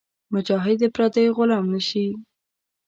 مجاهد د پردیو غلام نهشي.